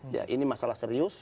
ya ini masalah serius